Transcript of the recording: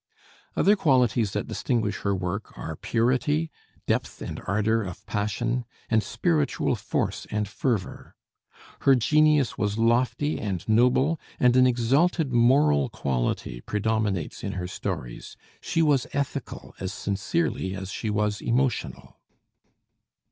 Other qualities that distinguish her work are purity, depth and ardor of passion, and spiritual force and fervor. Her genius was lofty and noble, and an exalted moral quality predominates in her stories. She was ethical as sincerely as she was emotional.